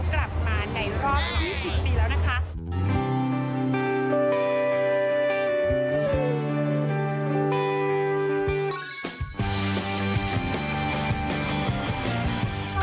พี่ภาพกำลังเดินเข้าไปหาคุณครับแล้วก็สมาชิกวงร้านในกันค่ะ